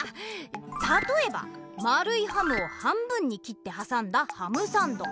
たとえばまるいハムを半分に切ってはさんだハムサンド。